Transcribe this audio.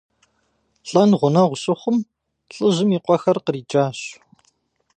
Лӏэн гъунэгъу щыхъум, лӏыжьым и къуэхэр къриджащ.